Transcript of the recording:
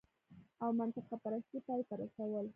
او منطقه پرستۍ پای ته رسول